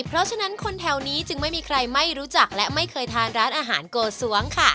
เพราะฉะนั้นคนแถวนี้จึงไม่มีใครไม่รู้จักและไม่เคยทานร้านอาหารโกส้วงค่ะ